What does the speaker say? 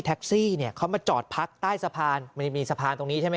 แท็กซี่เนี่ยเขามาจอดพักใต้สะพานมันจะมีสะพานตรงนี้ใช่ไหม